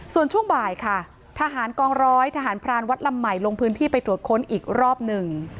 ส่วนช่วงบ่ายค่ะทหารกองร้อยทหารพรานวัดลำใหม่ลงพื้นที่ไปตรวจค้นอีกรอบหนึ่ง